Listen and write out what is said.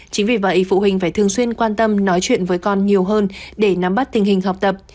chính vì vậy phụ huynh phải thường xuyên quan tâm nói chuyện với con nhiều hơn để nắm bắt tình hình học tập